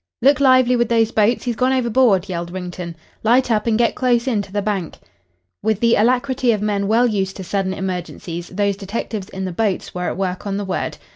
"Look lively with those boats. He's gone overboard," yelled Wrington. "Light up and get close in to the bank." With the alacrity of men well used to sudden emergencies those detectives in the boats were at work on the word.